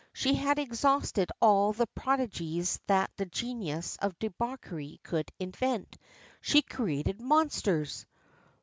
She had exhausted all the prodigies that the genius of debauchery could invent she created monsters!